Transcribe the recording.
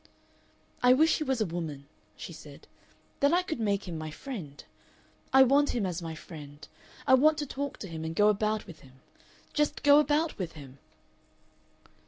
"I wish he was a woman," she said, "then I could make him my friend. I want him as my friend. I want to talk to him and go about with him. Just go about with him."